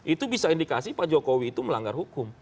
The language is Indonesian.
itu bisa indikasi pak jokowi itu melanggar hukum